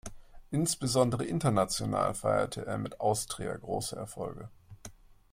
Insbesondere international feierte er mit der Austria große Erfolge.